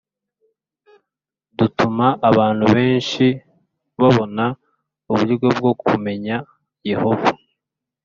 Dutuma abantu benshi babona uburyo bwo kumenya yehova